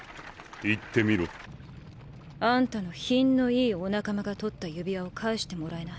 言ってみろ。あんたの品のいいお仲間が取った指輪を返してもらえない？